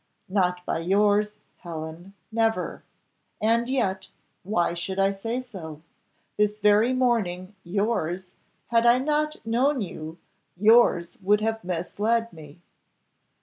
"Not by yours, Helen, never. And yet, why should I say so? This very morning, yours, had I not known you, yours would have misled me."